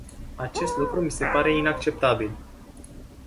Acest lucru mi se pare inacceptabil.